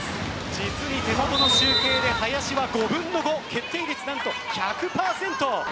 実に手元の集計で、林は５分の５決定率、何と１００％。